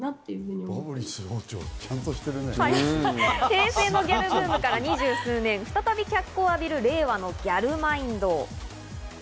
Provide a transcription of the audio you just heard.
平成ギャルのブームから２０数年、再び脚光を浴びる、令和のギャルマインド。